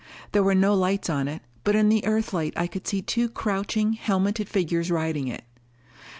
There were no lights on it, but in the Earthlight I could see two crouching, helmeted figures riding it.